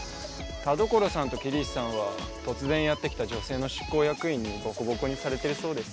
田所さんと桐石さんは突然やってきた女性の出向役員にボコボコにされてるそうです。